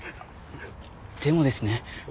でもですね